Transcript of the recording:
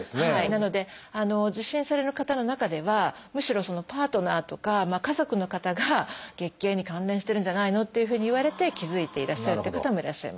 なので受診される方の中ではむしろそのパートナーとか家族の方が「月経に関連してるんじゃないの？」っていうふうに言われて気付いていらっしゃるって方もいらっしゃいます。